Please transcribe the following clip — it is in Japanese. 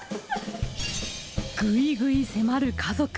ぐいぐい迫る家族！